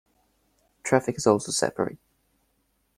Traffic is also separate.